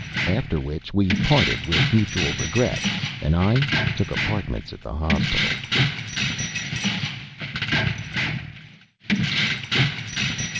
After which we parted with mutual regret, and I took apartments at the hospital.